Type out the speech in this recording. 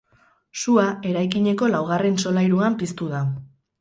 Sua eraikineko laugarren solairuan piztu da.